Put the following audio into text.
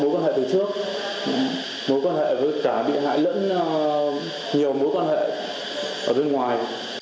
mối quan hệ từ trước mối quan hệ với cả bị hại lẫn nhiều mối quan hệ ở bên ngoài